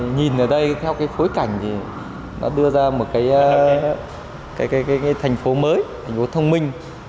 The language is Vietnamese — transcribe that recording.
nhìn ở đây theo cái khối cảnh thì nó đưa ra một cái thành phố mới thành phố thông minh